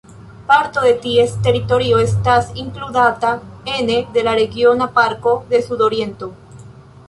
Parto de ties teritorio estas inkludata ene de la Regiona Parko de Sudoriento.